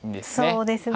そうですね。